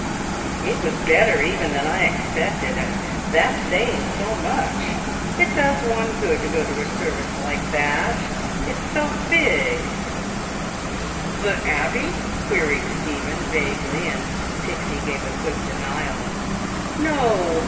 "It was better even than I expected, and that's saying so much! It does one good to go to a service like that. It's so big!" "The the Abbey?" queried Stephen vaguely, and Pixie gave a quick denial. "No.